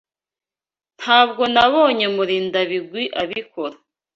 Ntabwo nabonye Murindabigwi abikora.